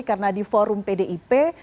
karena di forum pdip